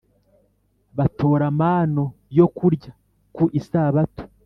Batora manu yo kurya ku isabato